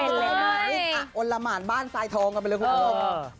อันละหมานบ้านทรายทองกันเลยครับ